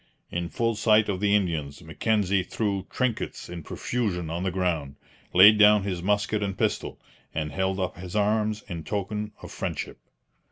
In full sight of the Indians Mackenzie threw trinkets in profusion on the ground, laid down his musket and pistol, and held up his arms in token of friendship.